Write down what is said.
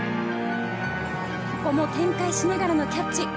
ここも転回しながらのキャッチ。